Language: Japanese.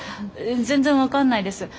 全然分かんないです。